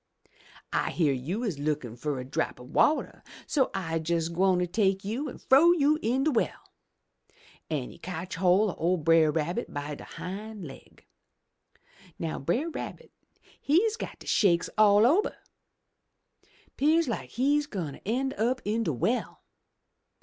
I hear you is lookin' fur a drop o' wateh, so I'se jes' gwine take you an' frow you in de well!' An' he cotch hoi' o' Brer Rabbit by de hind laig. Now Brer Rabbit he's got de shakes all ober! 'Pears like he's gwine ter en' up in de well.